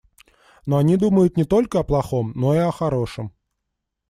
Но они думают не только о плохом, но и о хорошем.